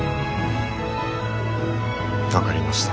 分かりました。